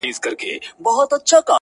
آفتونو پكښي كړي ځالګۍ دي.!